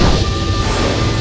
aku tak akan letakmu